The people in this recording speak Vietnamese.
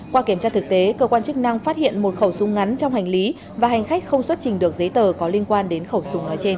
qua kiểm tra thực tế cơ quan chức năng phát hiện một khẩu súng ngắn trong hành lý và hành khách không xuất trình được giấy tờ có liên quan đến khẩu súng nói trên